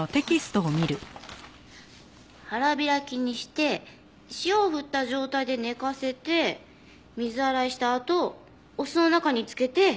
腹開きにして塩をふった状態で寝かせて水洗いしたあとお酢の中に漬けてしめていく。